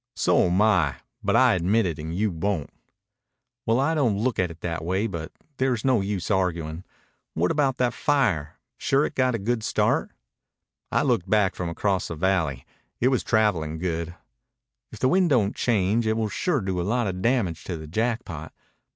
So am I. But I admit it and you won't." "Well, I don't look at it that way, but there's no use arguin'. What about that fire? Sure it got a good start?" "I looked back from across the valley. It was travelin' good." "If the wind don't change, it will sure do a lot of damage to the Jackpot.